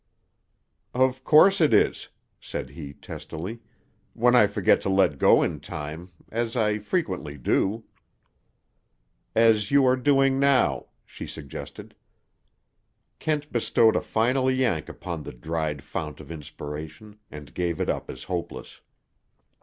"Of course it is," said he testily; "when I forget to let go in time—as I frequently do." "As you are doing now," she suggested. Kent bestowed a final yank upon the dried fount of inspiration, and gave it up as hopeless.